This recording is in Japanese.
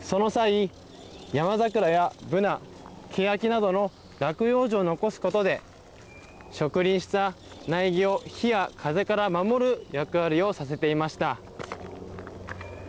その際、ヤマザクラやブナケヤキなどの落葉樹を残すことで植林した苗木を火や風から守る役割をさせていました。